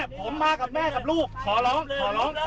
ผมมากับแม่กับลูกขอร้อง